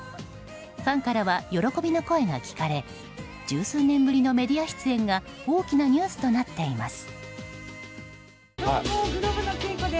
ファンからは喜びの声が聞かれ十数年ぶりのメディア出演が大きなニュースとなっています。